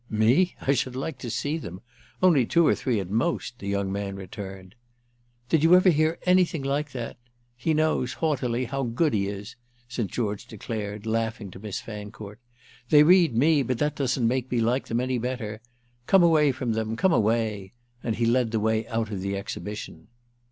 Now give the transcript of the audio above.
"Me? I should like to see them! Only two or three at most," the young man returned. "Did you ever hear anything like that? He knows, haughtily, how good he is!" St. George declared, laughing to Miss Fancourt. "They read me, but that doesn't make me like them any better. Come away from them, come away!" And he led the way out of the exhibition.